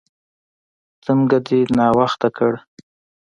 څنګه دې ناوخته کړه؟